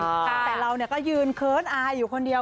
แต่เราก็ยืนเคิ้นอายอยู่คนเดียว